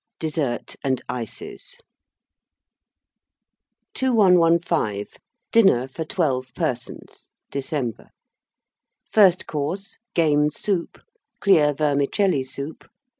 DESSERT AND ICES. 2115. DINNER FOR 12 PERSONS (December). FIRST COURSE. Game Soup. Clear Vermicelli Soup.